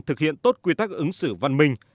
thực hiện tốt quy tắc ứng xử văn minh